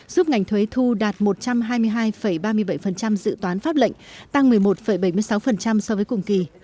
giúp ngành thuế thu đạt một trăm hai mươi hai ba mươi bảy dự toán pháp lệnh tăng một mươi một bảy mươi sáu so với cùng kỳ